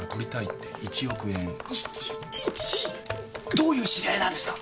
どういう知り合いなんですか？